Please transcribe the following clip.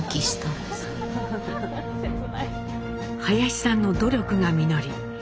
林さんの努力が実り